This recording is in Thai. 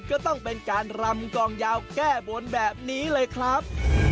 ก็ต้องเป็นการรำกองยาวแก้บนแบบนี้เลยครับ